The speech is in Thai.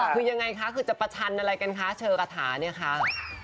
คือยังไงคะคือจะประชันอะไรกันคะเชอกระถาเนี่ยคะ